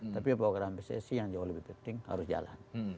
tapi program pssi yang jauh lebih penting harus jalan